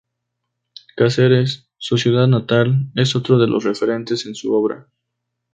Cáceres, su ciudad natal, es otro de los referentes en su obra.